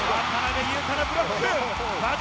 渡邊雄太のブロック。